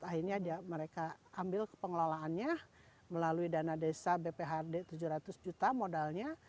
akhirnya mereka ambil pengelolaannya melalui dana desa bphd tujuh ratus juta modalnya